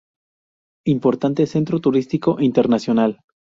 Importante centro turístico internacional.